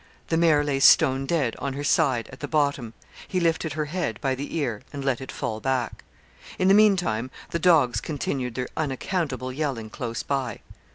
The mare lay stone dead, on her side, at the bottom. He lifted her head, by the ear, and let it fall back. In the meantime the dogs continued their unaccountable yelling close by.